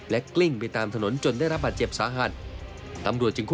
และกลิ้งไปตามตานทนนจนได้รับบาดเจ็บสหัฒน์